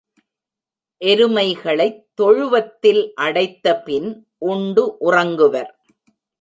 எருமைகளைத் தொழுவத்தில் அடைத்த பின் உண்டு உறங்குவர்.